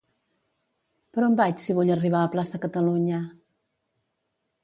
Per on vaig si vull arribar a Plaça Catalunya?